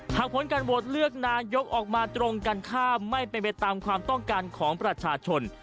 ผลการโหวตเลือกนายกออกมาตรงกันข้ามไม่เป็นไปตามความต้องการของประชาชน